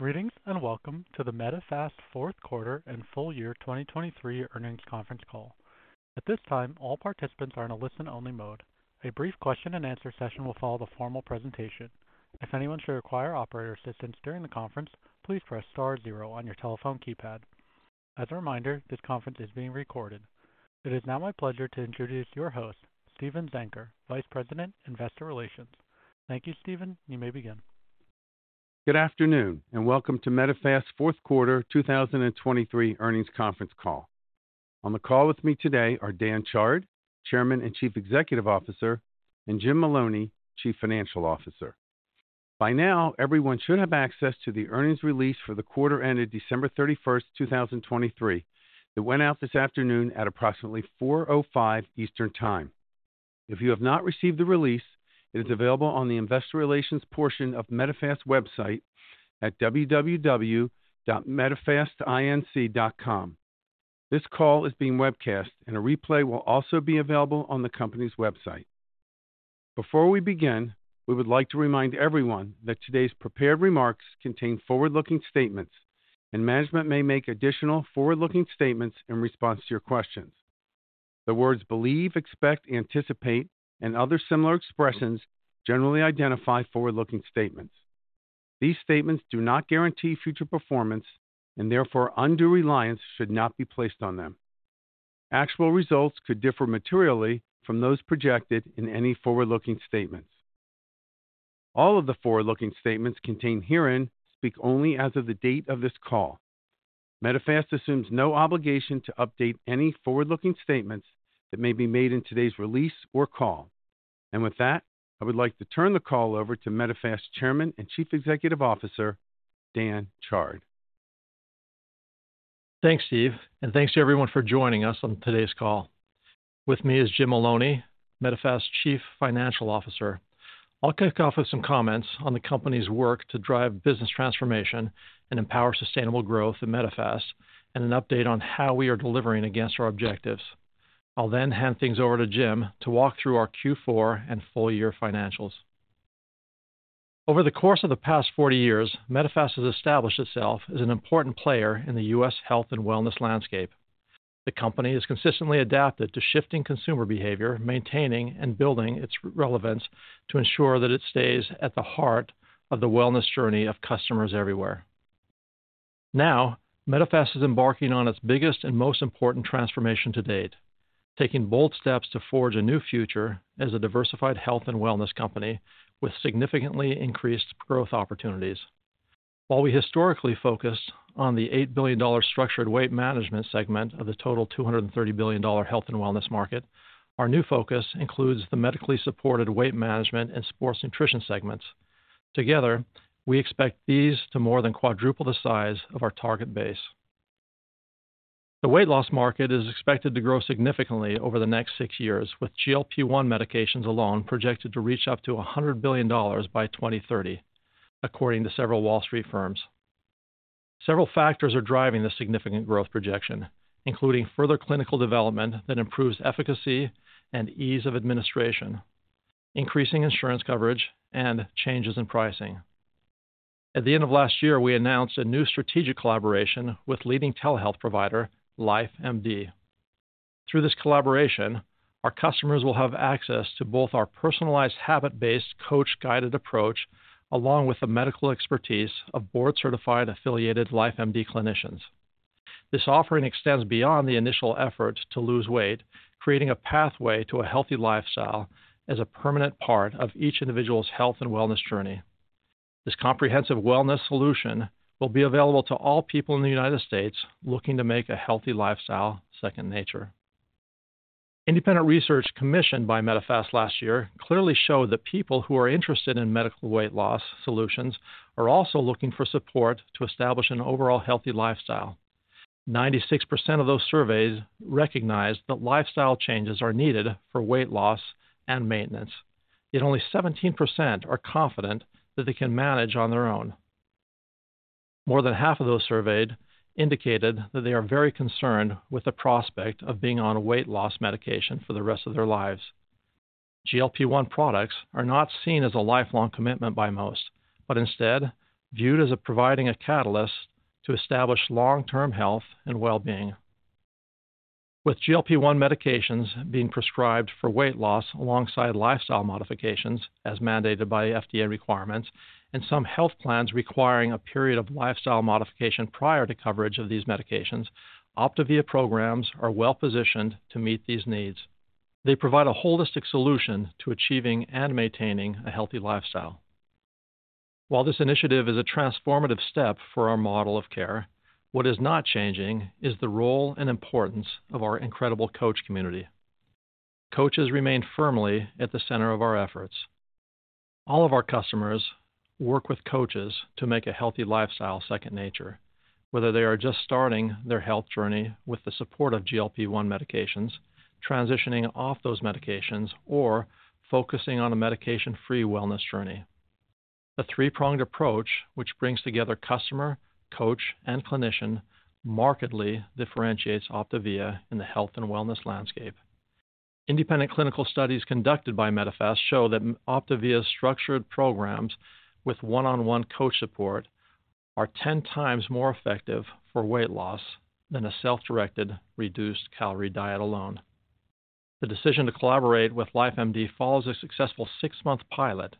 Greetings and welcome to the Medifast fourth quarter and full year 2023 earnings conference call. At this time, all participants are in a listen-only mode. A brief question-and-answer session will follow the formal presentation. If anyone should require operator assistance during the conference, please press star zero on your telephone keypad. As a reminder, this conference is being recorded. It is now my pleasure to introduce your host, Steven Zenker, Vice President, Investor Relations. Thank you, Steven, and you may begin. Good afternoon and welcome to Medifast fourth quarter 2023 earnings conference call. On the call with me today are Dan Chard, Chairman and Chief Executive Officer, and Jim Maloney, Chief Financial Officer. By now, everyone should have access to the earnings release for the quarter ended December 31st, 2023. It went out this afternoon at approximately 4:05 P.M. Eastern Time. If you have not received the release, it is available on the Investor Relations portion of Medifast website at www.medifastinc.com. This call is being webcast, and a replay will also be available on the company's website. Before we begin, we would like to remind everyone that today's prepared remarks contain forward-looking statements, and management may make additional forward-looking statements in response to your questions. The words believe, expect, anticipate, and other similar expressions generally identify forward-looking statements. These statements do not guarantee future performance, and therefore undue reliance should not be placed on them. Actual results could differ materially from those projected in any forward-looking statements. All of the forward-looking statements contained herein speak only as of the date of this call. Medifast assumes no obligation to update any forward-looking statements that may be made in today's release or call. With that, I would like to turn the call over to Medifast Chairman and Chief Executive Officer Dan Chard. Thanks, Steve, and thanks to everyone for joining us on today's call. With me is Jim Maloney, Medifast Chief Financial Officer. I'll kick off with some comments on the company's work to drive business transformation and empower sustainable growth at Medifast, and an update on how we are delivering against our objectives. I'll then hand things over to Jim to walk through our fourth quarter and full year financials. Over the course of the past 40 years, Medifast has established itself as an important player in the U.S. health and wellness landscape. The company has consistently adapted to shifting consumer behavior, maintaining and building its relevance to ensure that it stays at the heart of the wellness journey of customers everywhere. Now, Medifast is embarking on its biggest and most important transformation to date, taking bold steps to forge a new future as a diversified health and wellness company with significantly increased growth opportunities. While we historically focused on the $8 billion structured weight management segment of the total $230 billion health and wellness market, our new focus includes the medically supported weight management and sports nutrition segments. Together, we expect these to more than quadruple the size of our target base. The weight loss market is expected to grow significantly over the next six years, with GLP-1 medications alone projected to reach up to $100 billion by 2030, according to several Wall Street firms. Several factors are driving this significant growth projection, including further clinical development that improves efficacy and ease of administration, increasing insurance coverage, and changes in pricing. At the end of last year, we announced a new strategic collaboration with leading telehealth provider LifeMD. Through this collaboration, our customers will have access to both our personalized habit-based coach-guided approach along with the medical expertise of board-certified affiliated LifeMD clinicians. This offering extends beyond the initial effort to lose weight, creating a pathway to a healthy lifestyle as a permanent part of each individual's health and wellness journey. This comprehensive wellness solution will be available to all people in the United States looking to make a healthy lifestyle second nature. Independent research commissioned by Medifast last year clearly showed that people who are interested in medical weight loss solutions are also looking for support to establish an overall healthy lifestyle. 96% of those surveys recognized that lifestyle changes are needed for weight loss and maintenance, yet only 17% are confident that they can manage on their own. More than half of those surveyed indicated that they are very concerned with the prospect of being on a weight loss medication for the rest of their lives. GLP-1 products are not seen as a lifelong commitment by most, but instead viewed as providing a catalyst to establish long-term health and well-being. With GLP-1 medications being prescribed for weight loss alongside lifestyle modifications as mandated by FDA requirements, and some health plans requiring a period of lifestyle modification prior to coverage of these medications, OPTAVIA programs are well-positioned to meet these needs. They provide a holistic solution to achieving and maintaining a healthy lifestyle. While this initiative is a transformative step for our model of care, what is not changing is the role and importance of our incredible coach community. Coaches remain firmly at the center of our efforts. All of our customers work with coaches to make a healthy lifestyle second nature, whether they are just starting their health journey with the support of GLP-1 medications, transitioning off those medications, or focusing on a medication-free wellness journey. A three-pronged approach, which brings together customer, coach, and clinician, markedly differentiates OPTAVIA in the health and wellness landscape. Independent clinical studies conducted by Medifast show that OPTAVIA's structured programs with one-on-one coach support are 10 times more effective for weight loss than a self-directed reduced-calorie diet alone. The decision to collaborate with LifeMD follows a successful six-month pilot.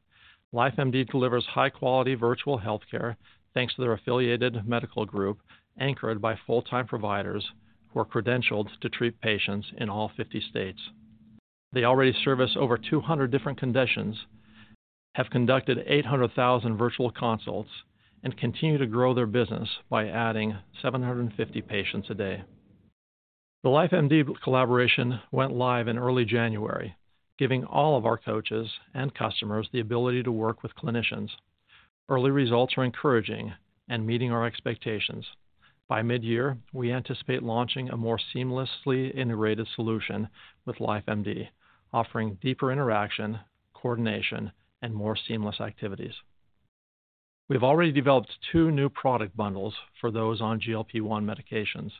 LifeMD delivers high-quality virtual healthcare thanks to their affiliated medical group anchored by full-time providers who are credentialed to treat patients in all 50 states. They already service over 200 different conditions, have conducted 800,000 virtual consults, and continue to grow their business by adding 750 patients a day. The LifeMD collaboration went live in early January, giving all of our coaches and customers the ability to work with clinicians. Early results are encouraging and meeting our expectations. By mid-year, we anticipate launching a more seamlessly integrated solution with LifeMD, offering deeper interaction, coordination, and more seamless activities. We have already developed two new product bundles for those on GLP-1 medications.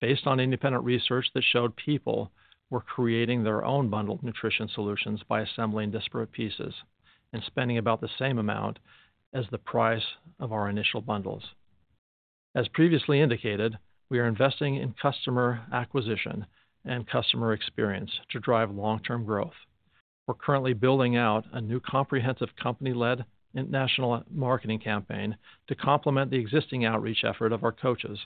Based on independent research that showed people were creating their own bundled nutrition solutions by assembling disparate pieces and spending about the same amount as the price of our initial bundles. As previously indicated, we are investing in customer acquisition and customer experience to drive long-term growth. We're currently building out a new comprehensive company-led international marketing campaign to complement the existing outreach effort of our coaches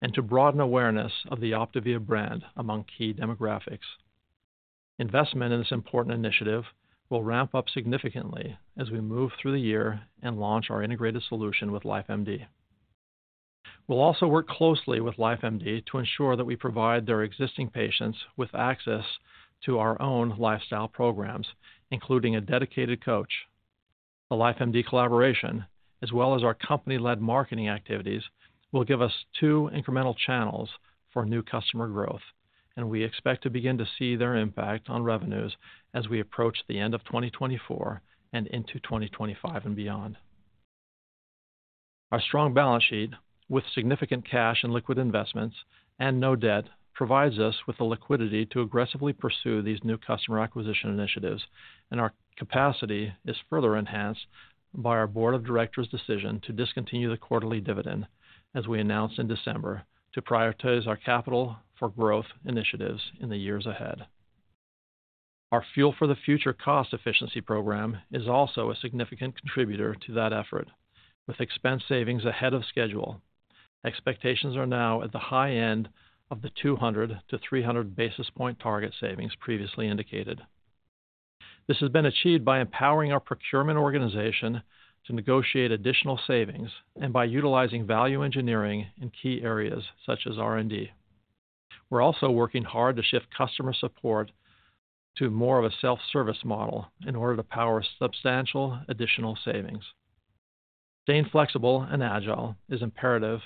and to broaden awareness of the OPTAVIA brand among key demographics. Investment in this important initiative will ramp up significantly as we move through the year and launch our integrated solution with LifeMD. We'll also work closely with LifeMD to ensure that we provide their existing patients with access to our own lifestyle programs, including a dedicated coach. The LifeMD collaboration, as well as our company-led marketing activities, will give us two incremental channels for new customer growth, and we expect to begin to see their impact on revenues as we approach the end of 2024 and into 2025 and beyond. Our strong balance sheet, with significant cash and liquid investments and no debt, provides us with the liquidity to aggressively pursue these new customer acquisition initiatives, and our capacity is further enhanced by our board of directors' decision to discontinue the quarterly dividend, as we announced in December, to prioritize our capital for growth initiatives in the years ahead. Our Fuel for the Future cost efficiency program is also a significant contributor to that effort, with expense savings ahead of schedule. Expectations are now at the high end of the 200-300 basis point target savings previously indicated. This has been achieved by empowering our procurement organization to negotiate additional savings and by utilizing value engineering in key areas such as R&D. We're also working hard to shift customer support to more of a self-service model in order to power substantial additional savings. Staying flexible and agile is imperative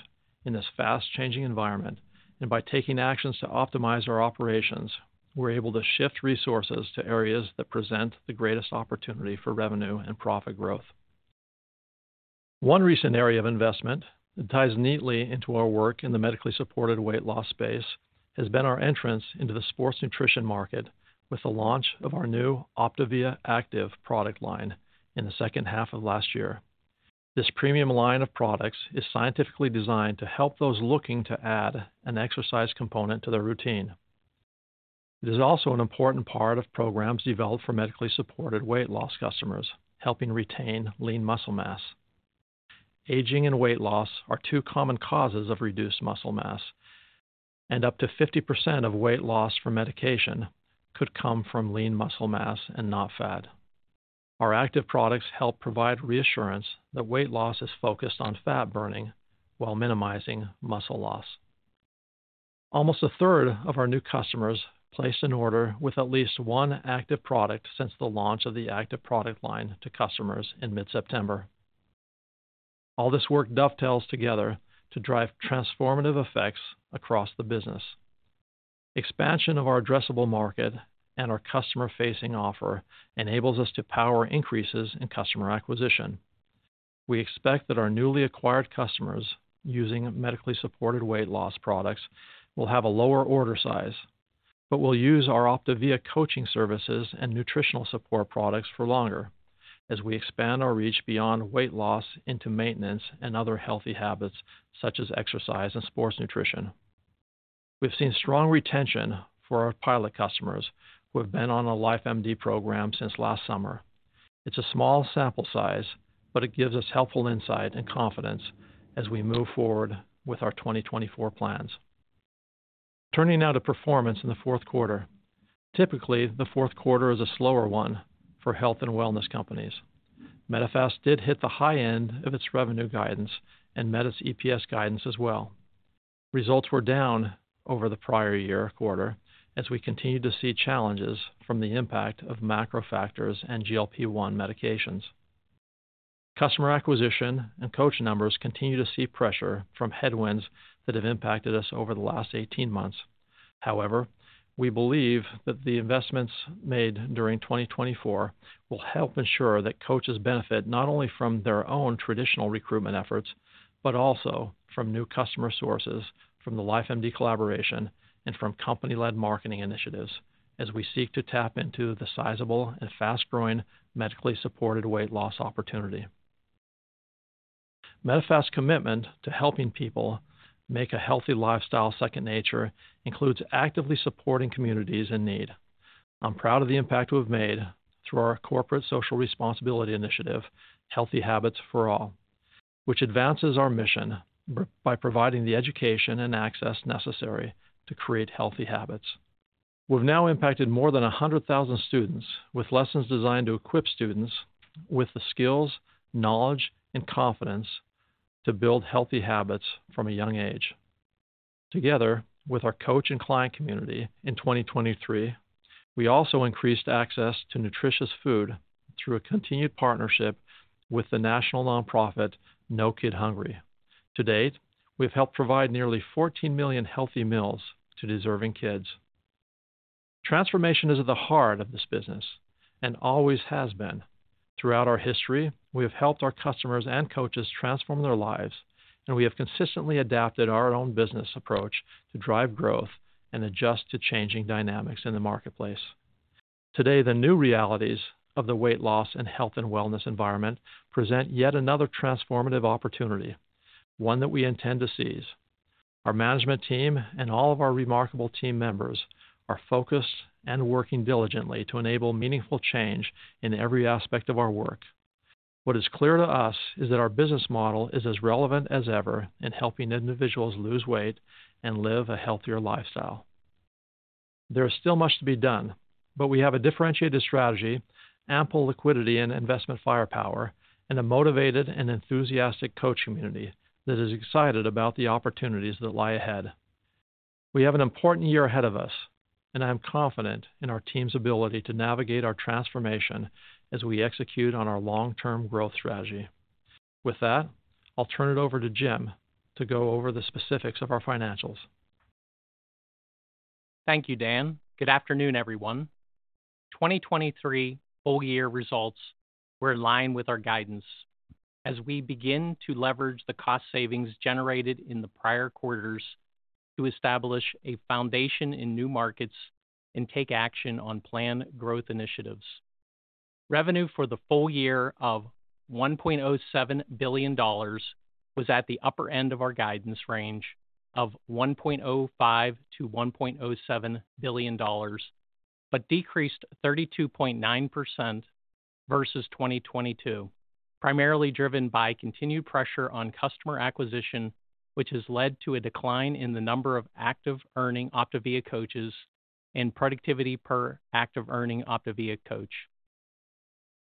in this fast-changing environment, and by taking actions to optimize our operations, we're able to shift resources to areas that present the greatest opportunity for revenue and profit growth. One recent area of investment that ties neatly into our work in the medically supported weight loss space has been our entrance into the sports nutrition market with the launch of our new OPTAVIA Active product line in the second half of last year. This premium line of products is scientifically designed to help those looking to add an exercise component to their routine. It is also an important part of programs developed for medically supported weight loss customers, helping retain lean muscle mass. Aging and weight loss are two common causes of reduced muscle mass, and up to 50% of weight loss from medication could come from lean muscle mass and not fat. Our Active products help provide reassurance that weight loss is focused on fat burning while minimizing muscle loss. Almost a third of our new customers placed an order with at least one Active product since the launch of the Active product line to customers in mid-September. All this work dovetails together to drive transformative effects across the business. Expansion of our addressable market and our customer-facing offer enables us to power increases in customer acquisition. We expect that our newly acquired customers using medically supported weight loss products will have a lower order size, but will use our OPTAVIA coaching services and nutritional support products for longer as we expand our reach beyond weight loss into maintenance and other healthy habits such as exercise and sports nutrition. We've seen strong retention for our pilot customers who have been on a LifeMD program since last summer. It's a small sample size, but it gives us helpful insight and confidence as we move forward with our 2024 plans. Turning now to performance in the fourth quarter. Typically, the fourth quarter is a slower one for health and wellness companies. Medifast did hit the high end of its revenue guidance and met its EPS guidance as well. Results were down over the prior year quarter as we continue to see challenges from the impact of macro factors and GLP-1 medications. Customer acquisition and coach numbers continue to see pressure from headwinds that have impacted us over the last 18 months. However, we believe that the investments made during 2024 will help ensure that coaches benefit not only from their own traditional recruitment efforts, but also from new customer sources from the LifeMD collaboration and from company-led marketing initiatives as we seek to tap into the sizable and fast-growing medically supported weight loss opportunity. Medifast's commitment to helping people make a healthy lifestyle second nature includes actively supporting communities in need. I'm proud of the impact we've made through our corporate social responsibility initiative, Healthy Habits for All, which advances our mission by providing the education and access necessary to create healthy habits. We've now impacted more than 100,000 students with lessons designed to equip students with the skills, knowledge, and confidence to build healthy habits from a young age. Together with our coach and client community in 2023, we also increased access to nutritious food through a continued partnership with the national nonprofit No Kid Hungry. To date, we've helped provide nearly 14 million healthy meals to deserving kids. Transformation is at the heart of this business and always has been. Throughout our history, we have helped our customers and coaches transform their lives, and we have consistently adapted our own business approach to drive growth and adjust to changing dynamics in the marketplace. Today, the new realities of the weight loss and health and wellness environment present yet another transformative opportunity, one that we intend to seize. Our management team and all of our remarkable team members are focused and working diligently to enable meaningful change in every aspect of our work. What is clear to us is that our business model is as relevant as ever in helping individuals lose weight and live a healthier lifestyle. There is still much to be done, but we have a differentiated strategy, ample liquidity and investment firepower, and a motivated and enthusiastic coach community that is excited about the opportunities that lie ahead. We have an important year ahead of us, and I'm confident in our team's ability to navigate our transformation as we execute on our long-term growth strategy. With that, I'll turn it over to Jim to go over the specifics of our financials. Thank you, Dan. Good afternoon, everyone. 2023 full year results were in line with our guidance as we begin to leverage the cost savings generated in the prior quarters to establish a foundation in new markets and take action on planned growth initiatives. Revenue for the full year of $1.07 billion was at the upper end of our guidance range of $1.05-$1.07 billion, but decreased 32.9% versus 2022, primarily driven by continued pressure on customer acquisition, which has led to a decline in the number of active earning OPTAVIA coaches and productivity per active earning OPTAVIA coach.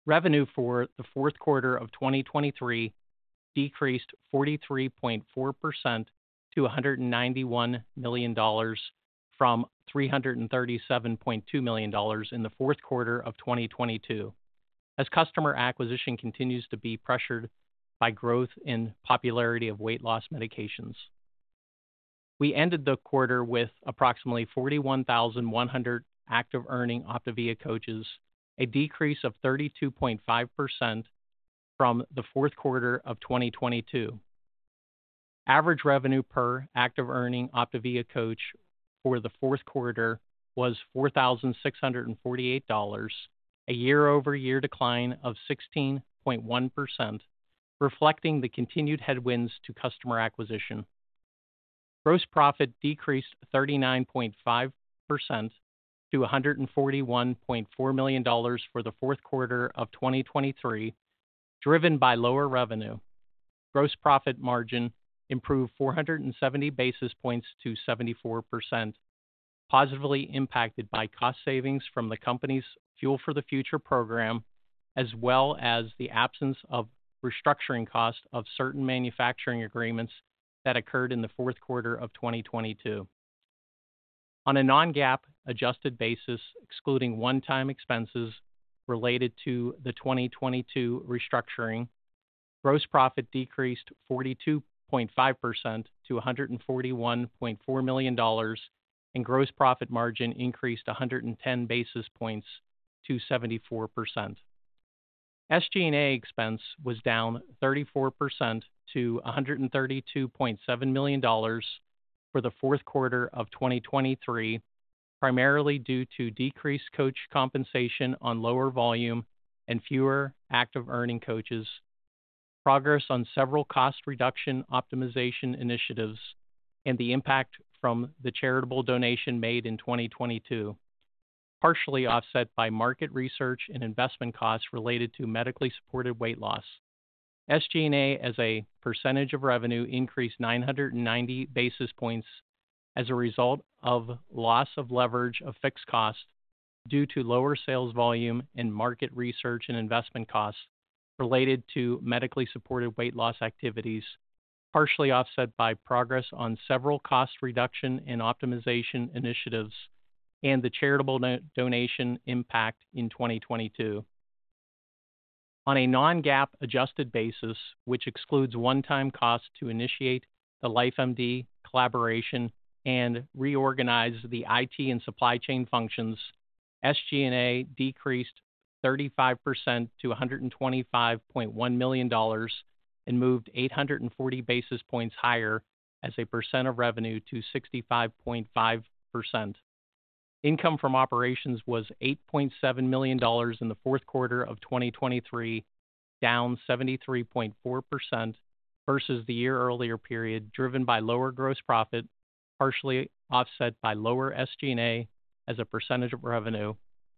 Revenue for the fourth quarter of 2023 decreased 43.4% to $191 million from $337.2 million in the fourth quarter of 2022 as customer acquisition continues to be pressured by growth in popularity of weight loss medications. We ended the quarter with approximately 41,100 Active Earning OPTAVIA Coaches, a decrease of 32.5% from the fourth quarter of 2022. Average revenue per Active Earning OPTAVIA Coach for the fourth quarter was $4,648, a year-over-year decline of 16.1%, reflecting the continued headwinds to customer acquisition. Gross profit decreased 39.5% to $141.4 million for the fourth quarter of 2023, driven by lower revenue. Gross profit margin improved 470 basis points to 74%, positively impacted by cost savings from the company's Fuel for the Future program as well as the absence of restructuring costs of certain manufacturing agreements that occurred in the fourth quarter of 2022. On a non-GAAP adjusted basis, excluding one-time expenses related to the 2022 restructuring, gross profit decreased 42.5% to $141.4 million, and gross profit margin increased 110 basis points to 74%. SG&A expense was down 34% to $132.7 million for the fourth quarter of 2023, primarily due to decreased coach compensation on lower volume and fewer active earning coaches, progress on several cost reduction optimization initiatives, and the impact from the charitable donation made in 2022, partially offset by market research and investment costs related to medically supported weight loss. SG&A as a percentage of revenue increased 990 basis points as a result of loss of leverage of fixed cost due to lower sales volume and market research and investment costs related to medically supported weight loss activities, partially offset by progress on several cost reduction and optimization initiatives and the charitable donation impact in 2022. On a non-GAAP adjusted basis, which excludes one-time cost to initiate the LifeMD collaboration and reorganize the IT and supply chain functions, SG&A decreased 35% to $125.1 million and moved 840 basis points higher as a percent of revenue to 65.5%. Income from operations was $8.7 million in the fourth quarter of 2023, down 73.4% versus the year earlier period, driven by lower gross profit, partially offset by lower SG&A as a percentage of revenue.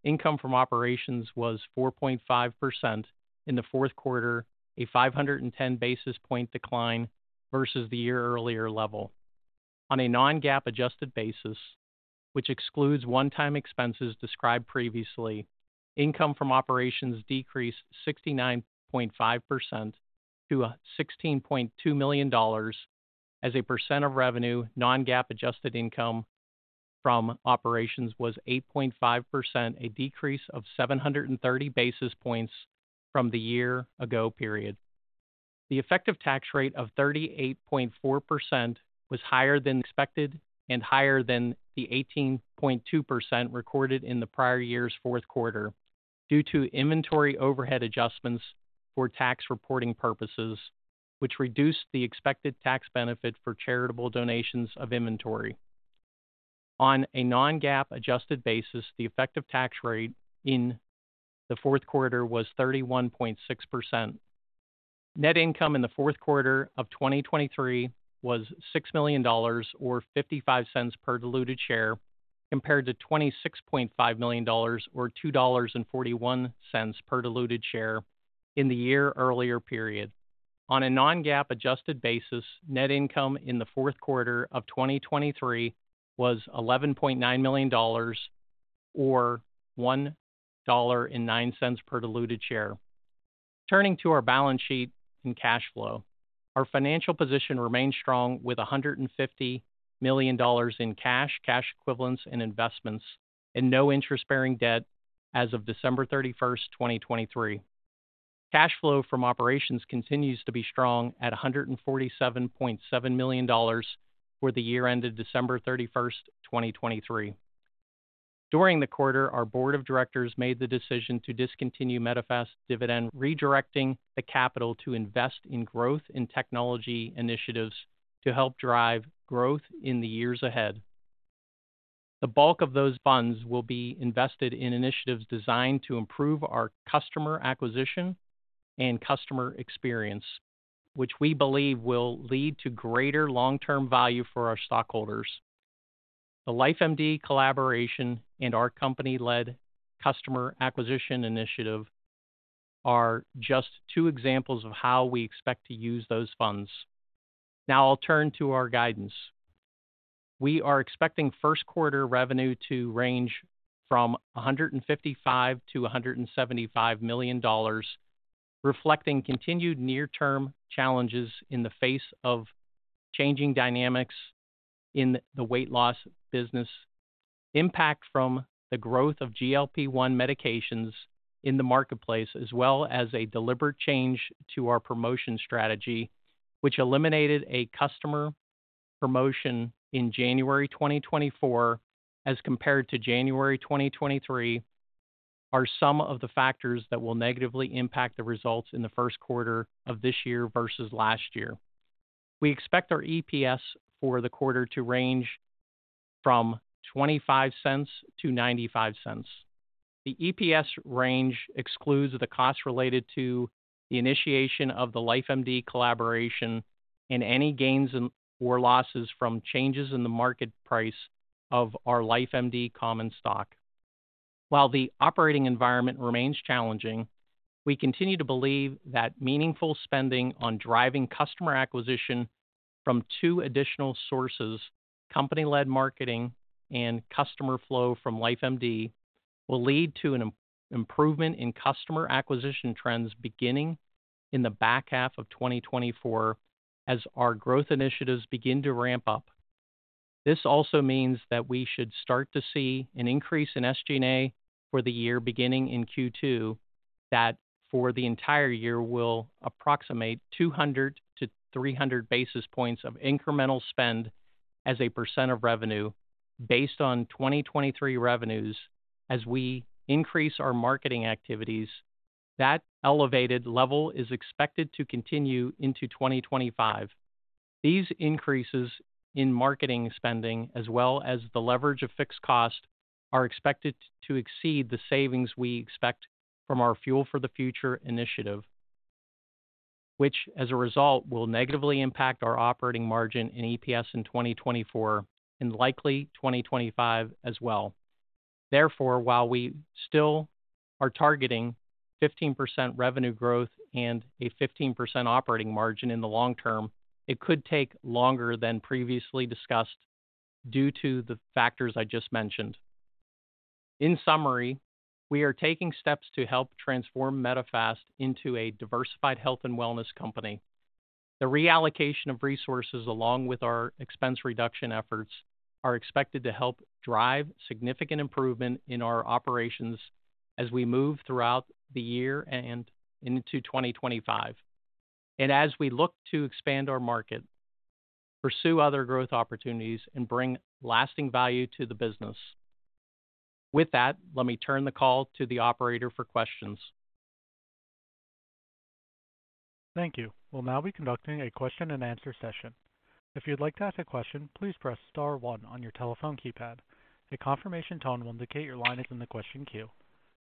Income from operations was 4.5% in the fourth quarter, a 510 basis point decline versus the year earlier level. On a non-GAAP adjusted basis, which excludes one-time expenses described previously, income from operations decreased 69.5% to $16.2 million as a percent of revenue. Non-GAAP adjusted income from operations was 8.5%, a decrease of 730 basis points from the year ago period. The effective tax rate of 38.4% was higher than expected and higher than the 18.2% recorded in the prior year's fourth quarter due to inventory overhead adjustments for tax reporting purposes, which reduced the expected tax benefit for charitable donations of inventory. On a non-GAAP adjusted basis, the effective tax rate in the fourth quarter was 31.6%. Net income in the fourth quarter of 2023 was $6 million or $0.55 per diluted share compared to $26.5 million or $2.41 per diluted share in the year earlier period. On a non-GAAP adjusted basis, net income in the fourth quarter of 2023 was $11.9 million or $1.09 per diluted share. Turning to our balance sheet and cash flow, our financial position remains strong with $150 million in cash, cash equivalents, and investments, and no interest-bearing debt as of December 31st, 2023. Cash flow from operations continues to be strong at $147.7 million for the year ended December 31st, 2023. During the quarter, our board of directors made the decision to discontinue Medifast dividend, redirecting the capital to invest in growth and technology initiatives to help drive growth in the years ahead. The bulk of those funds will be invested in initiatives designed to improve our customer acquisition and customer experience, which we believe will lead to greater long-term value for our stockholders. The LifeMD collaboration and our company-led customer acquisition initiative are just two examples of how we expect to use those funds. Now, I'll turn to our guidance. We are expecting first quarter revenue to range from $155 million-$175 million, reflecting continued near-term challenges in the face of changing dynamics in the weight loss business, impact from the growth of GLP-1 medications in the marketplace, as well as a deliberate change to our promotion strategy, which eliminated a customer promotion in January 2024 as compared to January 2023, are some of the factors that will negatively impact the results in the first quarter of this year versus last year. We expect our EPS for the quarter to range from $0.25-$0.95. The EPS range excludes the costs related to the initiation of the LifeMD collaboration and any gains or losses from changes in the market price of our LifeMD common stock. While the operating environment remains challenging, we continue to believe that meaningful spending on driving customer acquisition from two additional sources, company-led marketing and customer flow from LifeMD, will lead to an improvement in customer acquisition trends beginning in the back half of 2024 as our growth initiatives begin to ramp up. This also means that we should start to see an increase in SG&A for the year beginning in second quarter that for the entire year will approximate 200-300 basis points of incremental spend as a percent of revenue based on 2023 revenues. As we increase our marketing activities, that elevated level is expected to continue into 2025. These increases in marketing spending, as well as the leverage of fixed cost, are expected to exceed the savings we expect from our Fuel for the Future initiative, which, as a result, will negatively impact our operating margin and EPS in 2024 and likely 2025 as well. Therefore, while we still are targeting 15% revenue growth and a 15% operating margin in the long term, it could take longer than previously discussed due to the factors I just mentioned. In summary, we are taking steps to help transform Medifast into a diversified health and wellness company. The reallocation of resources along with our expense reduction efforts are expected to help drive significant improvement in our operations as we move throughout the year and into 2025, and as we look to expand our market, pursue other growth opportunities, and bring lasting value to the business. With that, let me turn the call to the operator for questions. Thank you. We'll now be conducting a question and answer session. If you'd like to ask a question, please press star one on your telephone keypad. A confirmation tone will indicate your line is in the question queue.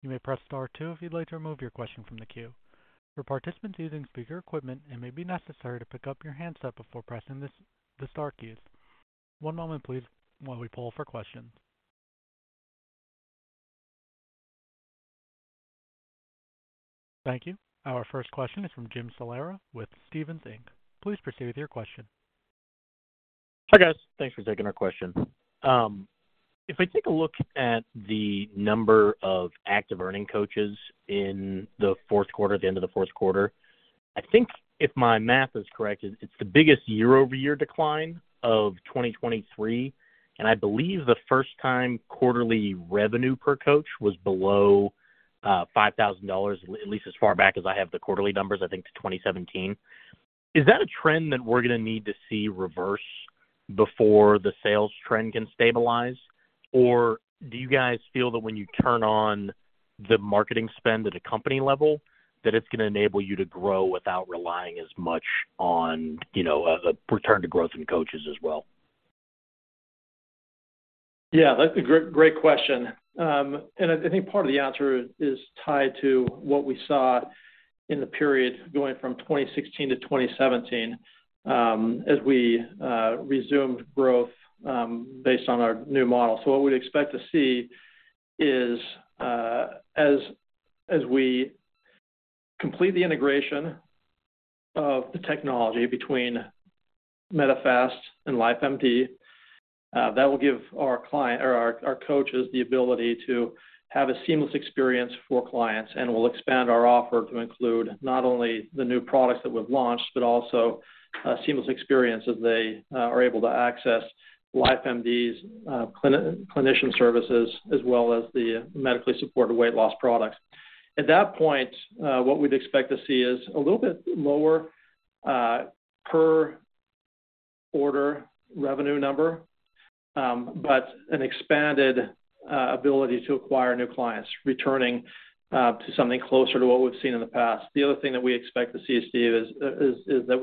You may press star two if you'd like to remove your question from the queue. For participants using speaker equipment, it may be necessary to pick up your handset before pressing the star keys. One moment, please, while we pull for questions. Thank you. Our first question is from Jim Salera with Stephens Inc. Please proceed with your question. Hi guys. Thanks for taking our question. If I take a look at the number of active earning coaches in the fourth quarter, at the end of the fourth quarter, I think if my math is correct, it's the biggest year-over-year decline of 2023, and I believe the first time quarterly revenue per coach was below $5,000, at least as far back as I have the quarterly numbers, I think to 2017. Is that a trend that we're going to need to see reverse before the sales trend can stabilize, or do you guys feel that when you turn on the marketing spend at a company level, that it's going to enable you to grow without relying as much on a return to growth in coaches as well? Yeah, that's a great question. And I think part of the answer is tied to what we saw in the period going from 2016 to 2017 as we resumed growth based on our new model. So what we'd expect to see is as we complete the integration of the technology between Medifast and LifeMD, that will give our client or our coaches the ability to have a seamless experience for clients, and we'll expand our offer to include not only the new products that we've launched, but also a seamless experience as they are able to access LifeMD's clinician services as well as the medically supported weight loss products. At that point, what we'd expect to see is a little bit lower per order revenue number, but an expanded ability to acquire new clients, returning to something closer to what we've seen in the past. The other thing that we expect to see, Steve, is that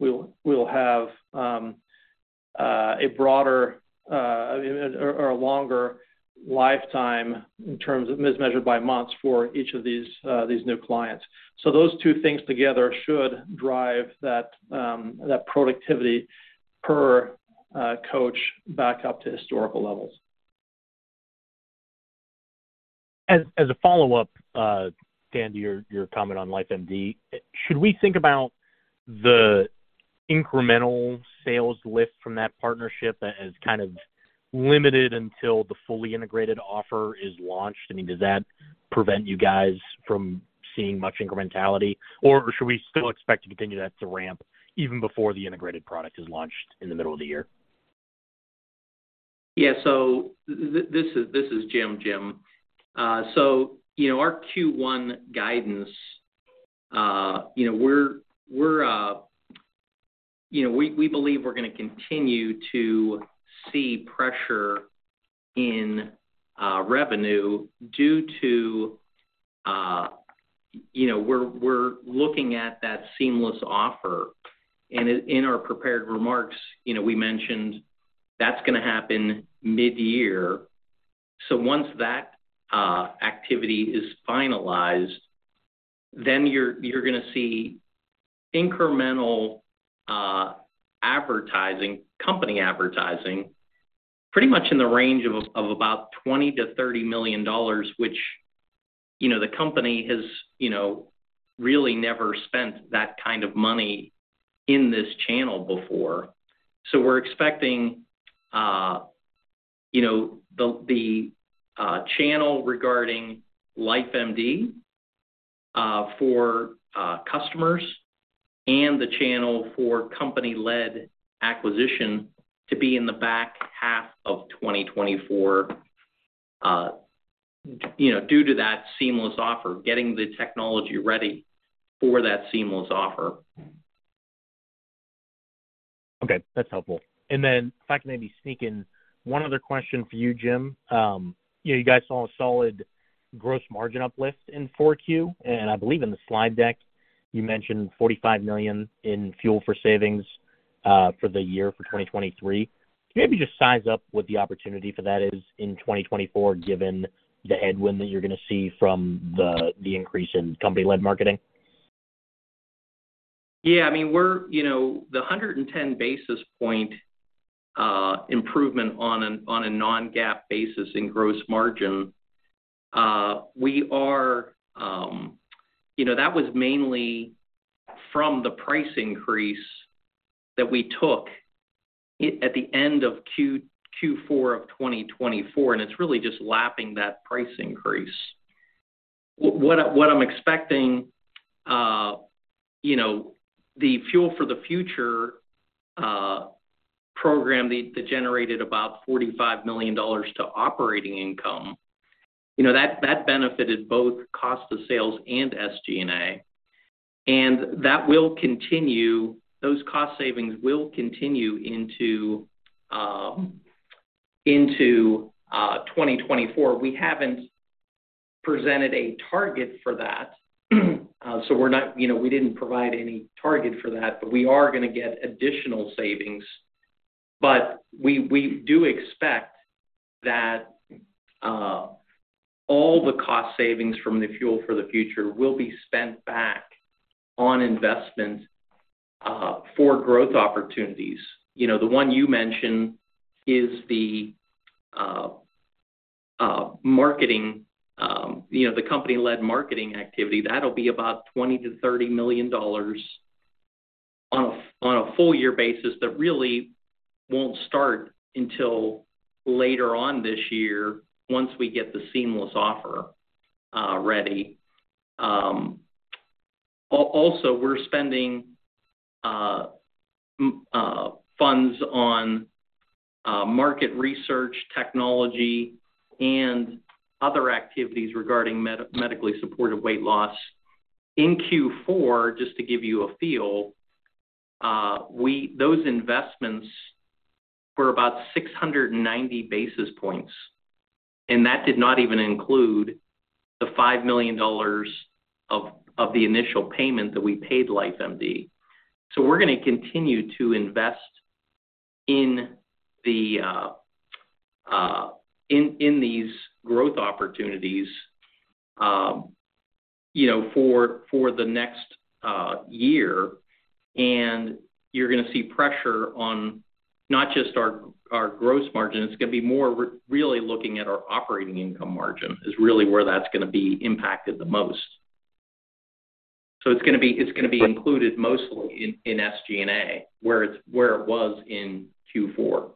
we will have a broader or a longer lifetime in terms of measured by months for each of these new clients. Those two things together should drive that productivity per coach back up to historical levels. As a follow-up, Dan, to your comment on LifeMD, should we think about the incremental sales lift from that partnership as kind of limited until the fully integrated offer is launched? I mean, does that prevent you guys from seeing much incrementality, or should we still expect to continue that to ramp even before the integrated product is launched in the middle of the year? Yeah, so this is Jim, Jim. So our Q1 guidance, we believe we're going to continue to see pressure in revenue due to we're looking at that seamless offer. In our prepared remarks, we mentioned that's going to happen mid-year. So once that activity is finalized, then you're going to see incremental advertising, company advertising, pretty much in the range of about $20 million-$30 million, which the company has really never spent that kind of money in this channel before. So we're expecting the channel regarding LifeMD for customers and the channel for company-led acquisition to be in the back half of 2024 due to that seamless offer, getting the technology ready for that seamless offer. Okay, that's helpful. Then if I can maybe sneak in one other question for you, Jim. You guys saw a solid gross margin uplift in fourth quarter, and I believe in the slide deck, you mentioned $45 million in Fuel for the Future savings for the year for 2023. Can you maybe just size up what the opportunity for that is in 2024 given the headwind that you're going to see from the increase in company-led marketing? Yeah, I mean, the 110 basis point improvement on a non-GAAP basis in gross margin, that was mainly from the price increase that we took at the end of fourth quarter of 2024, and it's really just lapping that price increase. What I'm expecting, the Fuel for the Future program that generated about $45 million to operating income, that benefited both cost of sales and SG&A. And that will continue. Those cost savings will continue into 2024. We haven't presented a target for that. So we didn't provide any target for that, but we are going to get additional savings. But we do expect that all the cost savings from the Fuel for the Future will be spent back on investment for growth opportunities. The one you mentioned is the marketing, the company-led marketing activity. That'll be about $20 million-$30 million on a full year basis that really won't start until later on this year once we get the seamless offer ready. Also, we're spending funds on market research, technology, and other activities regarding medically supported weight loss. In fourth qarter, just to give you a feel, those investments were about 690 basis points. And that did not even include the $5 million of the initial payment that we paid LifeMD. So we're going to continue to invest in these growth opportunities for the next year. And you're going to see pressure on not just our gross margin. It's going to be more really looking at our operating income margin is really where that's going to be impacted the most. So it's going to be included mostly in SG&A where it was in fourth quarter.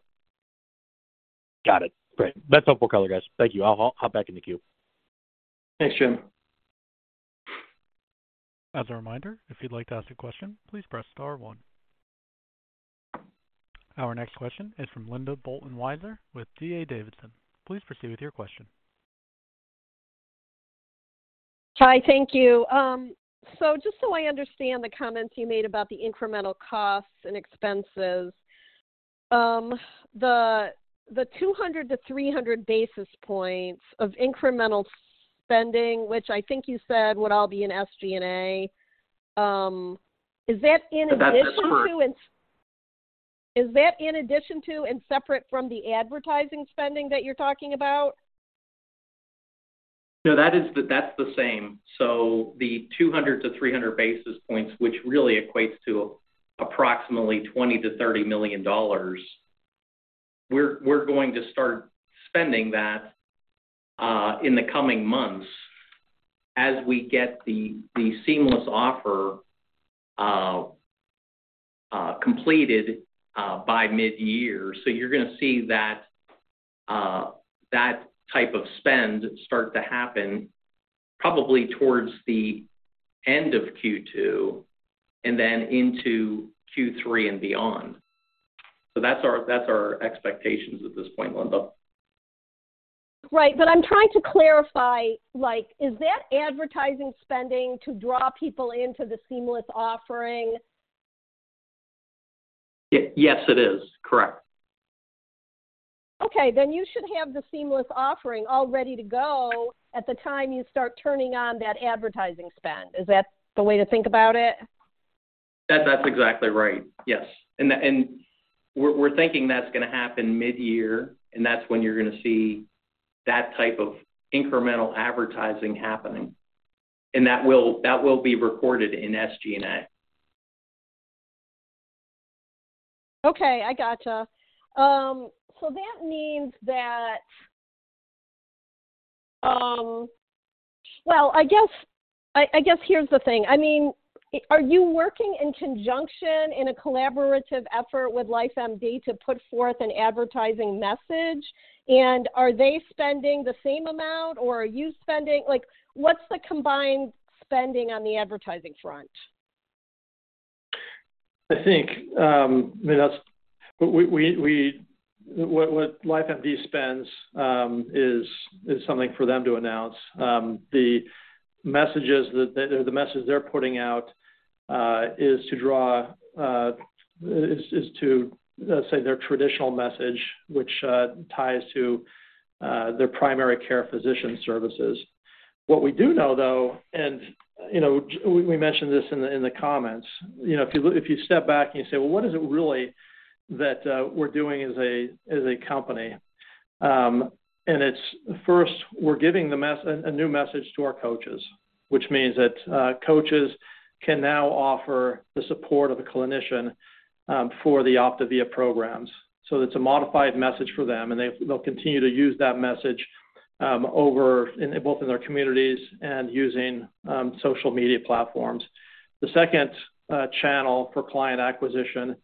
Got it. Great. That's helpful, Keller, guys. Thank you. I'll hop back into queue. Thanks, Jim. As a reminder, if you'd like to ask a question, please press star one. Our next question is from Linda Bolton Weiser with DA Davidson. Please proceed with your question. Hi, thank you. So just so I understand the comments you made about the incremental costs and expenses, the 200-300 basis points of incremental spending, which I think you said would all be in SG&A, is that in addition to? Is that separate? Is that in addition to and separate from the advertising spending that you're talking about? No, that's the same. So the 200-300 basis points, which really equates to approximately $20 million-$30 million, we're going to start spending that in the coming months as we get the seamless offer completed by mid-year. So you're going to see that type of spend start to happen probably towards the end of Q2 and then into Q3 and beyond. So that's our expectations at this point, Linda. Right. But I'm trying to clarify. Is that advertising spending to draw people into the seamless offering? Yes, it is. Correct. Okay. Then you should have the seamless offering all ready to go at the time you start turning on that advertising spend. Is that the way to think about it? That's exactly right. Yes. And we're thinking that's going to happen mid-year, and that's when you're going to see that type of incremental advertising happening. And that will be recorded in SG&A. Okay. I gotcha. So that means that, well, I guess here's the thing. I mean, are you working in conjunction in a collaborative effort with LifeMD to put forth an advertising message, and are they spending the same amount, or are you spending? What's the combined spending on the advertising front? I think, I mean, that's what LifeMD spends is something for them to announce. The message they're putting out is to draw, let's say, to their traditional message, which ties to their primary care physician services. What we do know, though, and we mentioned this in the comments, if you step back and you say, "Well, what is it really that we're doing as a company?" And it's first, we're giving a new message to our coaches, which means that coaches can now offer the support of a clinician for the OPTAVIA programs. So it's a modified message for them, and they'll continue to use that message both in their communities and using social media platforms. The second channel for client acquisition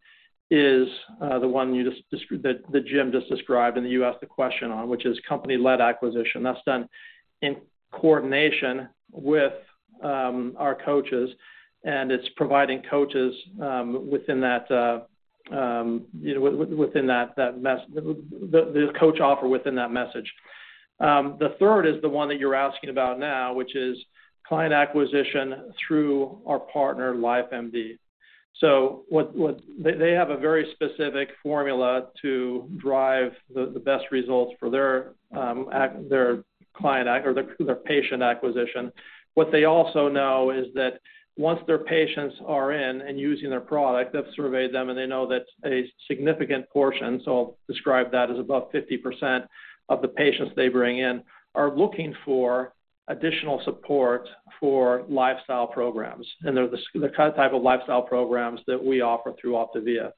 is the one that Jim just described and that you asked the question on, which is company-led acquisition. That's done in coordination with our coaches, and it's providing coaches within that the coach offer within that message. The third is the one that you're asking about now, which is client acquisition through our partner, LifeMD. So they have a very specific formula to drive the best results for their client or their patient acquisition. What they also know is that once their patients are in and using their product, they've surveyed them, and they know that a significant portion, so I'll describe that as above 50%, of the patients they bring in are looking for additional support for lifestyle programs. And they're the type of lifestyle programs that we offer through OPTAVIA.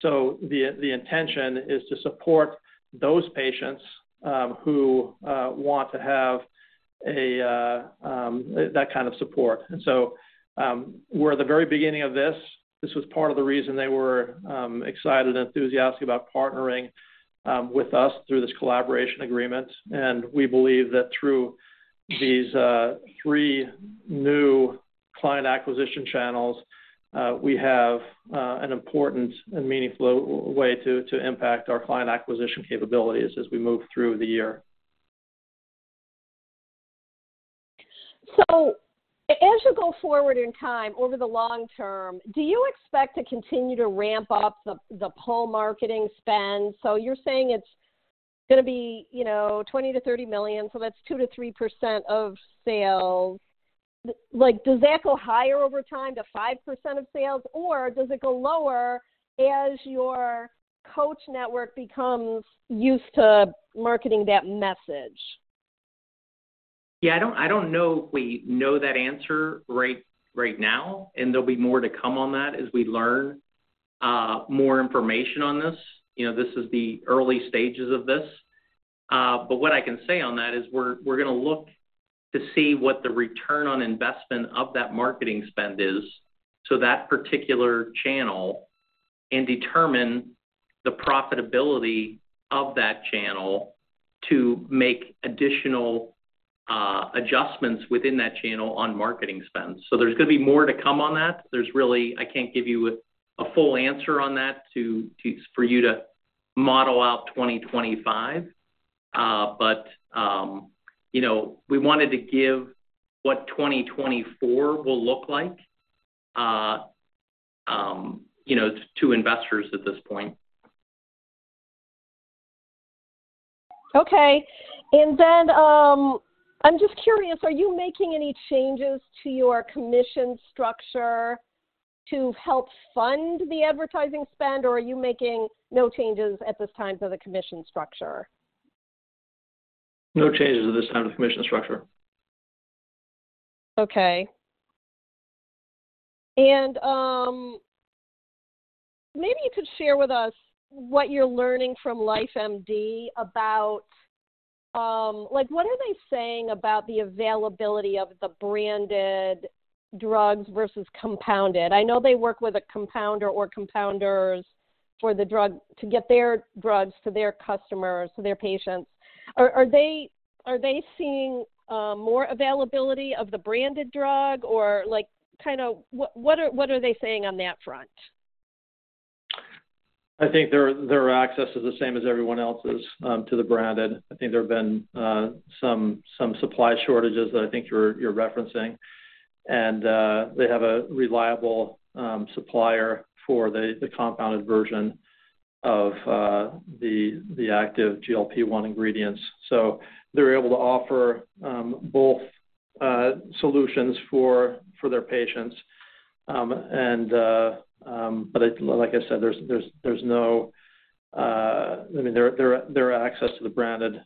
So the intention is to support those patients who want to have that kind of support. And so we're at the very beginning of this. This was part of the reason they were excited and enthusiastic about partnering with us through this collaboration agreement. We believe that through these three new client acquisition channels, we have an important and meaningful way to impact our client acquisition capabilities as we move through the year. As you go forward in time over the long term, do you expect to continue to ramp up the pull marketing spend? You're saying it's going to be $20 million-$30 million. That's 2%-3% of sales. Does that go higher over time to 5% of sales, or does it go lower as your coach network becomes used to marketing that message? Yeah, I don't know. We don't know that answer right now, and there'll be more to come on that as we learn more information on this. This is the early stages of this. But what I can say on that is we're going to look to see what the return on investment of that marketing spend is to that particular channel and determine the profitability of that channel to make additional adjustments within that channel on marketing spend. So there's going to be more to come on that. I can't give you a full answer on that for you to model out 2025. But we wanted to give what 2024 will look like to investors at this point. Okay. And then I'm just curious, are you making any changes to your commission structure to help fund the advertising spend, or are you making no changes at this time to the commission structure? No changes at this time to the commission structure. Okay. Maybe you could share with us what you're learning from LifeMD about what are they saying about the availability of the branded drugs versus compounded? I know they work with a compounder or compounders to get their drugs to their customers, to their patients. Are they seeing more availability of the branded drug, or kind of what are they saying on that front? I think their access is the same as everyone else's to the branded. I think there have been some supply shortages that I think you're referencing. And they have a reliable supplier for the compounded version of the active GLP-1 ingredients. So they're able to offer both solutions for their patients. But like I said, there's no I mean, their access to the branded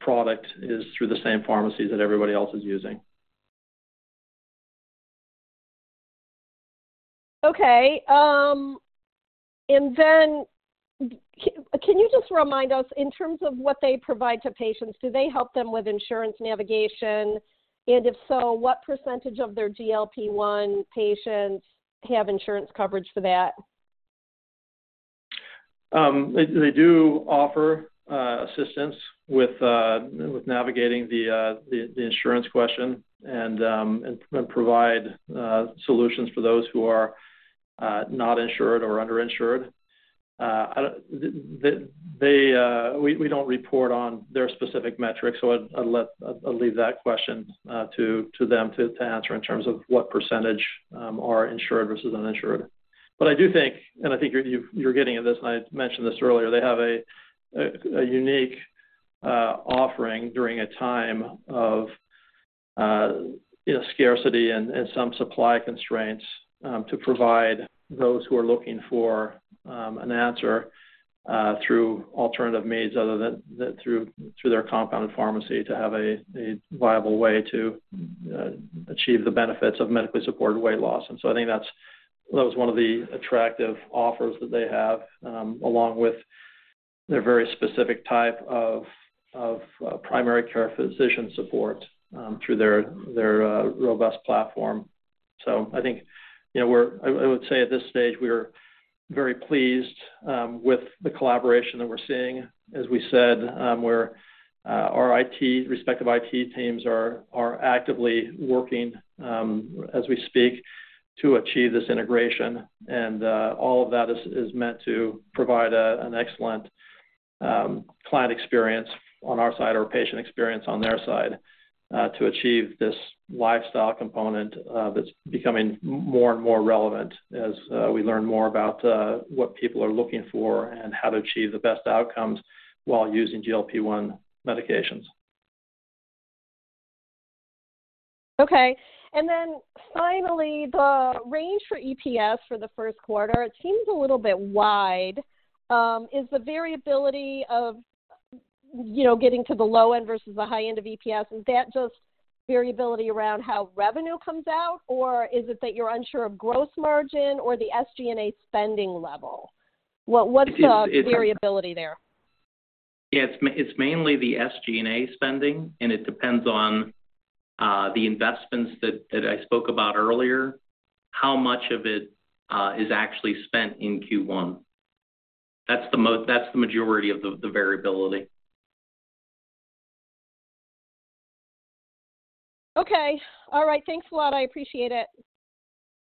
product is through the same pharmacies that everybody else is using. Okay. And then can you just remind us, in terms of what they provide to patients, do they help them with insurance navigation? And if so, what percentage of their GLP-1 patients have insurance coverage for that? They do offer assistance with navigating the insurance question and provide solutions for those who are not insured or underinsured. We don't report on their specific metrics, so I'll leave that question to them to answer in terms of what percentage are insured versus uninsured. But I do think and I think you're getting at this, and I mentioned this earlier, they have a unique offering during a time of scarcity and some supply constraints to provide those who are looking for an answer through alternative means other than through their compounding pharmacy to have a viable way to achieve the benefits of medically supported weight loss. And so I think that was one of the attractive offers that they have, along with their very specific type of primary care physician support through their robust platform. So I think I would say at this stage, we are very pleased with the collaboration that we're seeing. As we said, our respective IT teams are actively working as we speak to achieve this integration. And all of that is meant to provide an excellent client experience on our side or a patient experience on their side to achieve this lifestyle component that's becoming more and more relevant as we learn more about what people are looking for and how to achieve the best outcomes while using GLP-1 medications. Okay. And then finally, the range for EPS for the first quarter, it seems a little bit wide. Is the variability of getting to the low end versus the high end of EPS, is that just variability around how revenue comes out, or is it that you're unsure of gross margin or the SG&A spending level? What's the variability there? Yeah, it's mainly the SG&A spending, and it depends on the investments that I spoke about earlier, how much of it is actually spent in Q1. That's the majority of the variability. Okay. All right. Thanks a lot. I appreciate it.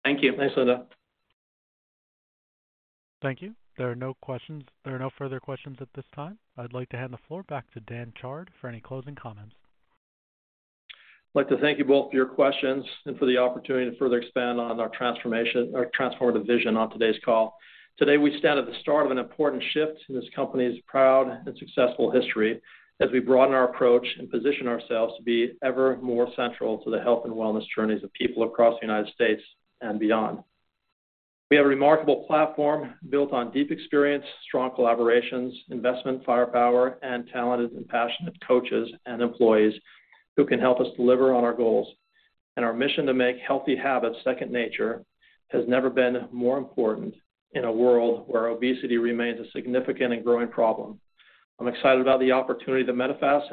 Thank you. Thanks, Linda. Thank you. There are no questions. There are no further questions at this time. I'd like to hand the floor back to Dan Chard for any closing comments. I'd like to thank you both for your questions and for the opportunity to further expand on our transformative vision on today's call. Today, we stand at the start of an important shift in this company's proud and successful history as we broaden our approach and position ourselves to be ever more central to the health and wellness journeys of people across the United States and beyond. We have a remarkable platform built on deep experience, strong collaborations, investment firepower, and talented and passionate coaches and employees who can help us deliver on our goals. Our mission to make healthy habits second nature has never been more important in a world where obesity remains a significant and growing problem. I'm excited about the opportunity that Medifast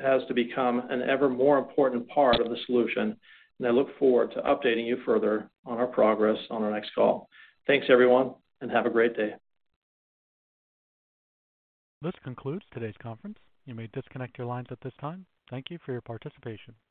has to become an ever more important part of the solution, and I look forward to updating you further on our progress on our next call. Thanks, everyone, and have a great day. This concludes today's conference. You may disconnect your lines at this time. Thank you for your participation.